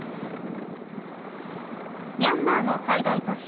ミャンマーの最大都市